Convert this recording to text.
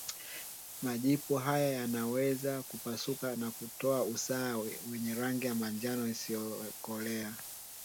Majipu haya yanaweza kupasuka na kutoa usaha wenye rangi ya manjano isiyokolea